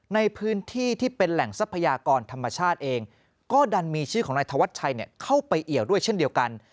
ในพื้นที่ที่เป็นแหล่งทรัพยากรธรรมชาติเองก็ดันมีชื่อของนายธวัชชัยเข้าไปเอี่ยวด้วยเช่นเดียวกัน